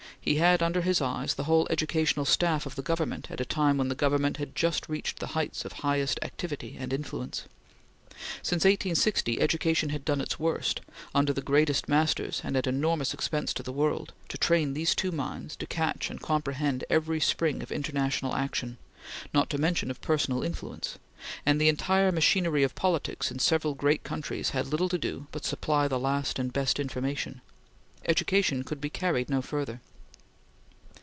He had under his eyes the whole educational staff of the Government at a time when the Government had just reached the heights of highest activity and influence. Since 1860, education had done its worst, under the greatest masters and at enormous expense to the world, to train these two minds to catch and comprehend every spring of international action, not to speak of personal influence; and the entire machinery of politics in several great countries had little to do but supply the last and best information. Education could be carried no further.